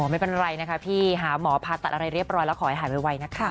ไม่เป็นไรนะคะพี่หาหมอผ่าตัดอะไรเรียบร้อยแล้วขอให้หายไวนะคะ